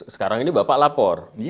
sekarang ini bapak lapor